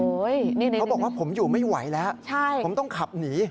เขาบอกว่าผมอยู่ไม่ไหวแล้วผมต้องขับหนี